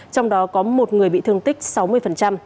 trong đó có một người bị thương tích sáu mươi